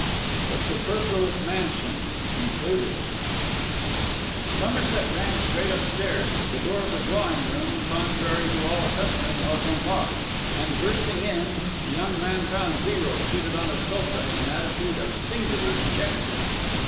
THE SUPERFLUOUS MANSION (Concluded) Somerset ran straight upstairs; the door of the drawing room, contrary to all custom, was unlocked; and bursting in, the young man found Zero seated on a sofa in an attitude of singular dejection.